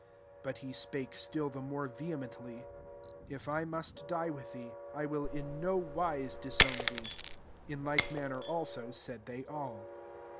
31 But he spake (•tUl the more'\ Tehemcntly, " If must die with thee, I will in no wise disown thee.'' In like manner also, said they all.